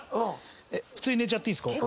普通に寝ちゃっていいですか。